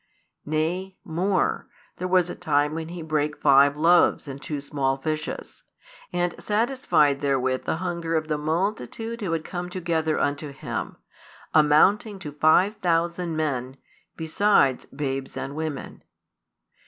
Nay, more, there was a time when He brake five loaves and two small fishes, and satisfied therewith the hunger of the multitude who had come together unto Him, amounting to five thousand men, besides babes and women.